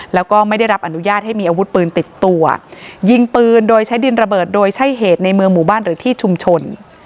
แล้วก็ไม่ได้รับอนุญาตให้มีอาวุธปืนติดตัวยิงปืนโดยใช้ดินระเบิดโดยใช่เหตุในเมืองหมู่บ้านหรือที่ชุมชน